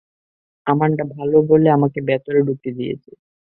Amanda ভালো বলে আমাকে ভেতরে ঢুকতে দিয়েছে।